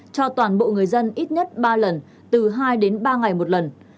cho toàn bộ người dân ít nhất ba lần từ hai đến ba ngày một lần